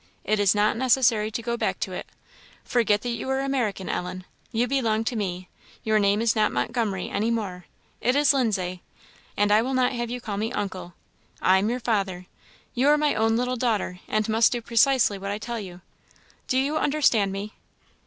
It is not necessary to go back to it. Forget that you were American, Ellen you belong to me; your name is not Montgomery any more, it is Lindsay; and I will not have you call me 'uncle;' I am your father you are my own little daughter, and must do precisely what I tell you. Do you understand me?"